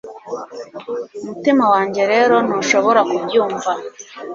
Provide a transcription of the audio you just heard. umutima wanjye rero ntushobora kubyumva